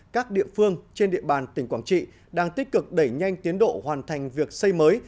các địa phương trên địa bàn tỉnh quảng trị đang tích cực đẩy nhanh tiến độ hoàn thành việc xây mới